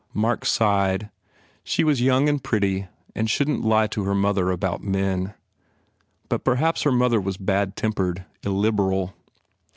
Mark sighed; she was young and pretty and shouldn t lie to her mother about men. But perhaps her mother was bad tempered, illiberal.